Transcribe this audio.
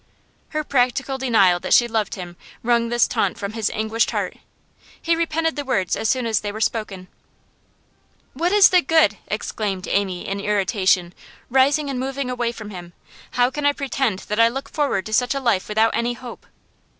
Her practical denial that she loved him wrung this taunt from his anguished heart. He repented the words as soon as they were spoken. 'What is the good?' exclaimed Amy in irritation, rising and moving away from him. 'How can I pretend that I look forward to such a life with any hope?